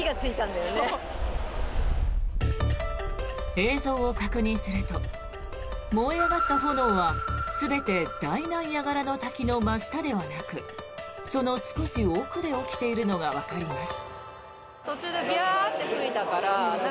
映像を確認すると燃え上がった炎は全て大ナイアガラの滝の真下ではなくその少し奥で起きているのがわかります。